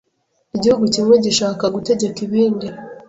igihugu kimwe gishaka gutegeka ibindi